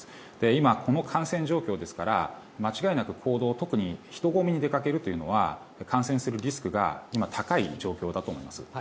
今、この感染状況ですから間違いなく行動特に人混みに出かけるというのは感染するリスクが高い状況だと思います。